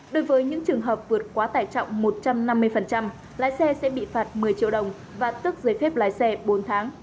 đối với những trường hợp vượt quá tải trọng một trăm năm mươi lái xe sẽ bị phạt một mươi triệu đồng và tước giấy phép lái xe bốn tháng